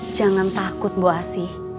jangan takut mbok asy